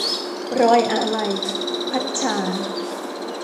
รอยอาลัย - พัดชา